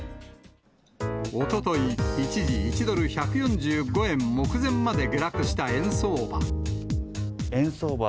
おととい、一時１ドル１４５円目前まで下落した円相場。